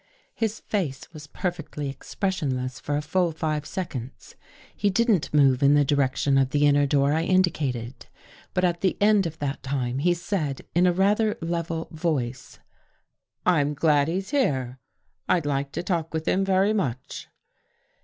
" His face was perfectly expressionless for a full five seconds. He didn't move in the direction of the inner door I indicated. But, at the end of that time, he said in a rather level voice, " I'm glad he's here. I'd like to talk with him very much."